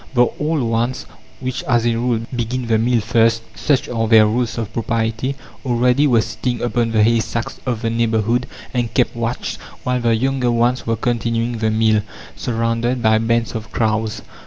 The old ones, which, as a rule, begin the meal first such are their rules of propriety already were sitting upon the haystacks of the neighbourhood and kept watch, while the younger ones were continuing the meal, surrounded by bands of crows.